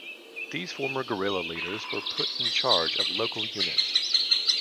These former guerilla leaders were put in charge of local units.